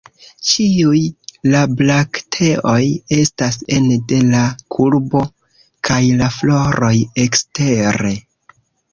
Ĉiuj la brakteoj estas ene de la kurbo, kaj la floroj ekstere.